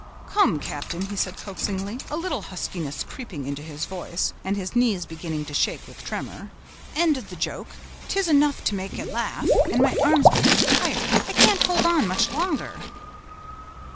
"Come, captain," he said, coaxingly, a little huskiness creeping into his voice, and his knees beginning to shake with tremor, "end the joke; 'tis enough to make a laugh, and my arms begin to tire—I can't hold on much longer."